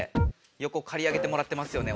よこかり上げてもらってますよね